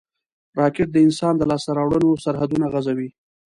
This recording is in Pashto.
راکټ د انسان د لاسته راوړنو سرحدونه غځوي